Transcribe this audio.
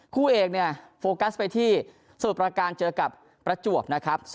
คู่เอกเนี่ยโฟกัสไปที่สมุทรประการเจอกับประจวบนะครับ